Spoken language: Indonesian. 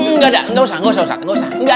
nggak usah nggak usah